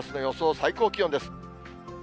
最高気温です。